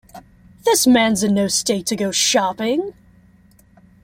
This man's in no state to go shopping!